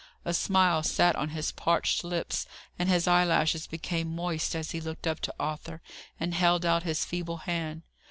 A smile sat on his parched lips, and his eyelashes became moist as he looked up to Arthur, and held out his feeble hand.